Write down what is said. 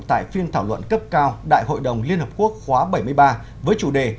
tại phiên thảo luận cấp cao đại hội đồng liên hợp quốc khóa bảy mươi ba với chủ đề